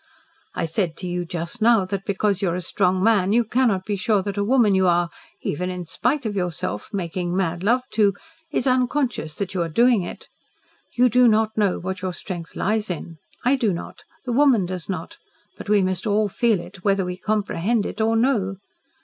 I said to you just now that because you are a strong man you cannot be sure that a woman you are even in spite of yourself making mad love to, is unconscious that you are doing it. You do not know what your strength lies in. I do not, the woman does not, but we must all feel it, whether we comprehend it or no.